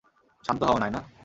শান্ত হও, নায়না।